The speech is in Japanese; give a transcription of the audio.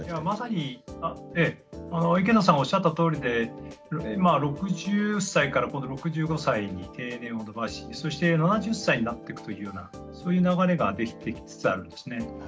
まさにええ池野さんがおっしゃったとおりで６０歳から今度６５歳に定年を延ばしそして７０歳になってくというようなそういう流れが出来てきつつあるんですね。